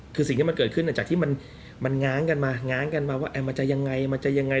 คือสิ่งที่มันเกิดขึ้นจากที่มันง้างกันมาว่ามันจะยังไง